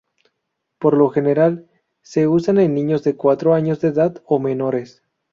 Por lo general se usa en niños de cuatro años de edad o menores.